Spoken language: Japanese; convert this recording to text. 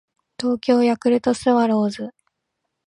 東京ヤクルトスワローズ